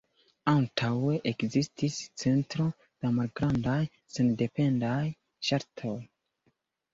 Antaŭe ekzistis cento da malgrandaj sendependaj ŝtatoj.